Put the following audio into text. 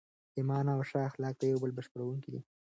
ایمان او ښه اخلاق د یو بل بشپړونکي دي.